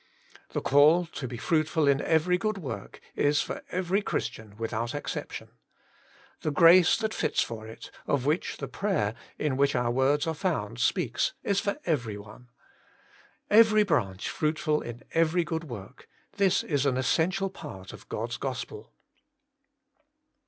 The call to be 'fruitful in every good work is for every Christian without exception. The grace that fits for it, of which the p/ayer, in which Working for God 69 our words are found, speaks, is for every one. Every branch fruitful in every good work — ^this is an essential part of God's Gospel.